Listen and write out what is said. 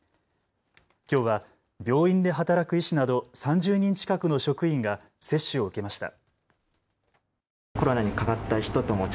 きょうは病院で働く医師など３０人近くの職員が接種を受けました。